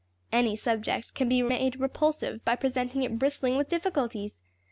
Any subject can be made repulsive by presenting it bristling with difficulties.